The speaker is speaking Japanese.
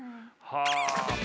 はあ。